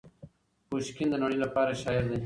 پوشکین د نړۍ لپاره شاعر دی.